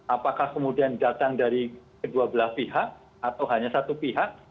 apakah kemudian datang dari kedua belah pihak atau hanya satu pihak